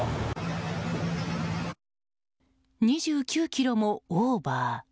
２９キロもオーバー。